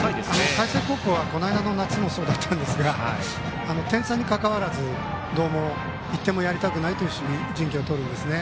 海星高校はこの間の夏もそうでしたが点差にかかわらず１点もやりたくないという守備隊形を取るんですね。